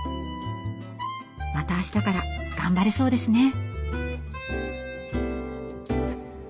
また明日から頑張れそうですね。